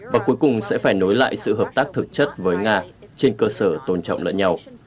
và cuối cùng sẽ phải nối lại sự hợp tác thực chất với nga trên cơ sở tôn trọng lợi nhau